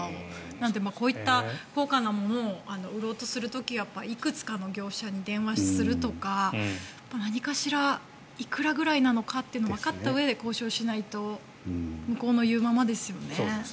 なのでこういった高価なものを売ろうとする時はいくつかの業者に電話をするとか何かしらいくらぐらいなのかというのをわかったうえで交渉しないと向こうの言うままですよね。